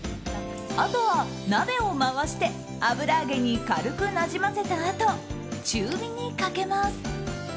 あとは鍋を回して油揚げに軽くなじませたあと中火にかけます。